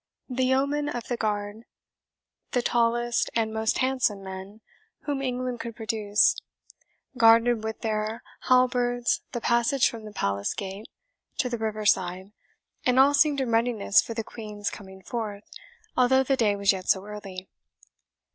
The yeomen of the guard, the tallest and most handsome men whom England could produce, guarded with their halberds the passage from the palace gate to the river side, and all seemed in readiness for the Queen's coming forth, although the day was yet so early.